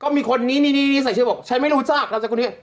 ก็มีคนนี้นี่นี่ใส่เชื่อบอกฉันไม่รู้จักแล้วสักคนนี้